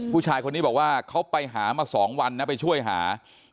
ผู้ชายคนนี้บอกว่าเขาไปหามา๒วันนะไปช่วยหา